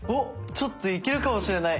ちょっといけるかもしれない。